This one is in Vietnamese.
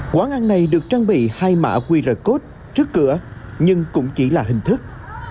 quán ăn này được trang bị hai mã qr code trước cửa nhưng cũng chỉ là hình thức